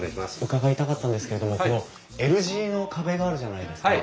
伺いたかったんですけれどもこのＬ字の壁があるじゃないですか。